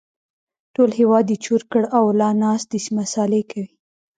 ټول هېواد يې چور کړ او لا ناست دی مسالې کوي